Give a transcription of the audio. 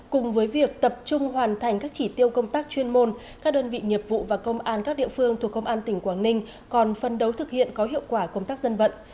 cùng với việc tập trung hoàn thành các chỉ tiêu công tác chuyên môn các đơn vị nghiệp vụ và công an các địa phương thuộc công an tỉnh quảng ninh còn phân đấu thực hiện có hiệu quả công tác dân vận